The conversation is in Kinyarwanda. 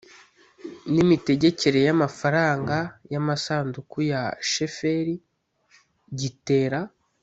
n imitegekere y amafaranga y amasanduku ya sheferi gitera